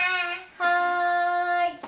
はい。